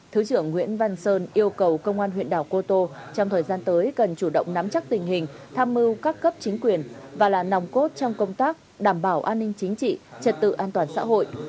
thứ trưởng nguyễn văn sơn yêu cầu công an huyện đảo cô tô trong thời gian tới cần chủ động nắm chắc tình hình tham mưu các cấp chính quyền và là nòng cốt trong công tác đảm bảo an ninh chính trị trật tự an toàn xã hội